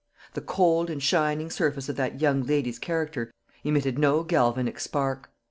The cold and shining surface of that young lady's character emitted no galvanic spark.